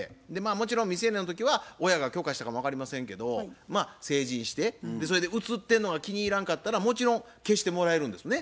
もちろん未成年の時は親が許可したかも分かりませんけどまあ成人してそれで写ってんのが気に入らんかったらもちろん消してもらえるんですね。